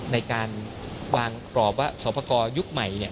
ในการวางกรอบว่าสอปกรยุคใหม่